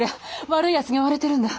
悪い奴に追われてるんだ。